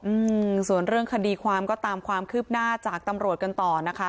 อืมส่วนเรื่องคดีความก็ตามความคืบหน้าจากตำรวจกันต่อนะคะ